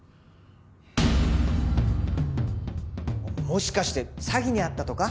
もしかして詐欺に遭ったとか？